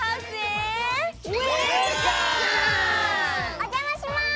おじゃまします！